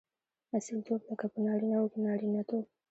اصیلتوب؛ لکه په نارينه وو کښي نارينه توب.